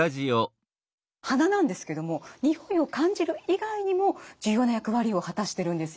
鼻なんですけども匂いを感じる以外にも重要な役割を果たしてるんですよね丹生さん。